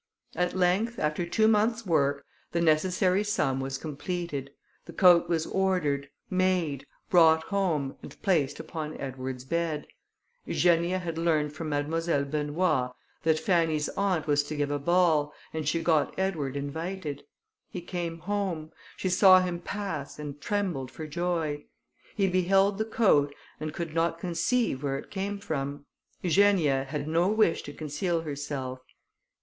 At length, after two months' work, the necessary sum was completed. The coat was ordered, made, brought home, and placed upon Edward's bed. Eugenia had learned from Mademoiselle Benoît, that Fanny's aunt was to give a ball, and she got Edward invited. He came home; she saw him pass, and trembled for joy. He beheld the coat, and could not conceive where it came from. Eugenia had no wish to conceal herself.